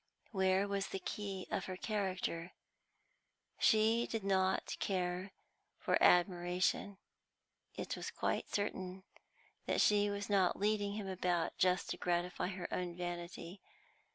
Where was the key of her character? She did not care for admiration; it was quite certain that she was not leading him about just to gratify her own vanity.